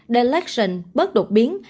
the election bớt đột biến